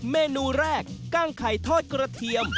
เมนูแรกกั้งไข่ทอดกระเทียม